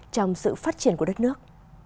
trong sự phát triển của đất nước